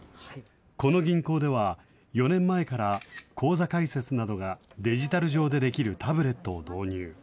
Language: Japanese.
この銀行では、４年前から口座開設などがデジタル上でできるタブレットを導入。